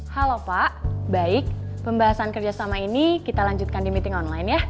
halo pak baik pembahasan kerjasama ini kita lanjutkan di meeting online ya